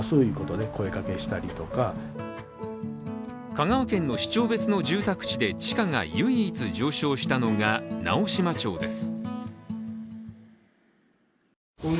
香川県の市町別の住宅地で地価が唯一上昇したのが直島町です。